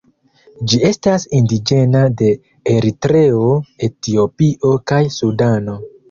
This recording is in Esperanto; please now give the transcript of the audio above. Ĝi estas indiĝena de Eritreo, Etiopio, kaj Sudano.